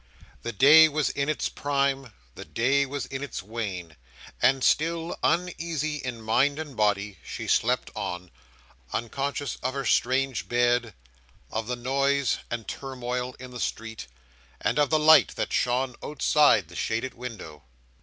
The day was in its prime, the day was in its wane, and still, uneasy in mind and body, she slept on; unconscious of her strange bed, of the noise and turmoil in the street, and of the light that shone outside the shaded window.